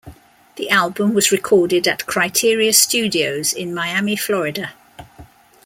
The album was recorded at Criteria Studios in Miami, Florida.